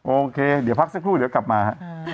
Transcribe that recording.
โอเคเดี๋ยวพักสักครู่เดี๋ยวกลับมาฮะ